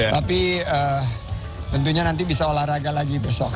tapi tentunya nanti bisa olahraga lagi besok